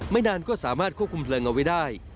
นานก็สามารถควบคุมเพลิงเอาไว้ได้